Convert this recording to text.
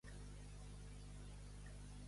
Ser un xarnego.